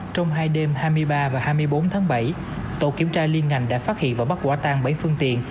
trong hai đêm hai mươi ba và hai mươi bốn tháng bảy tổ kiểm tra liên ngành đã phát hiện và bắt quả tang bảy phương tiện